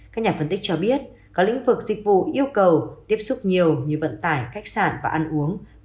các nhà phân tích cho biết các lĩnh vực dịch vụ yêu cầu tiếp xúc nhiều như vận tải cách sản và ăn uống